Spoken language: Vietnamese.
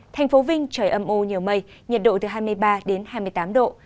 thành phố vinh trời âm ô nhiều mây nhiệt độ từ hai mươi ba đến hai mươi tám độ